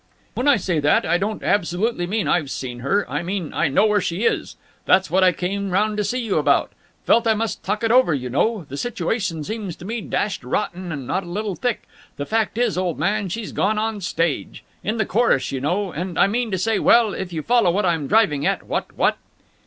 "When I say that, I don't absolutely mean I've seen her. I mean I know where she is. That's what I came round to see you about. Felt I must talk it over, you know. The situation seems to me dashed rotten and not a little thick. The fact is, old man, she's gone on the stage. In the chorus, you know. And, I mean to say, well, if you follow what I'm driving at, what, what?"